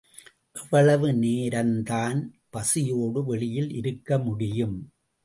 எவ்வளவு நேரந்தான் பசியோடு வெளியில் இருக்க முடியும்?